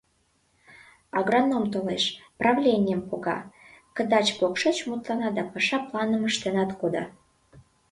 Агроном толеш, правленийым пога, кыдач-покшеч мутлана да паша планым ыштенат кода.